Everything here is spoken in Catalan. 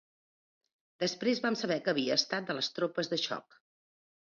Després vam saber què havia estat de les tropes de xoc.